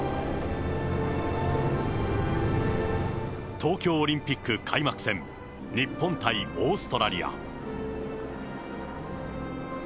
東京オリンピック開幕戦、日本対オーストラリア。